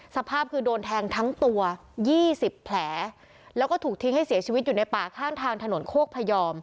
สภาพคือโดนแทงทั้งตัวยี่สิบแผลแล้วก็ถูกทิ้งให้เสียชีวิตอยู่ในป่าข้างทางถนนโคกพยอม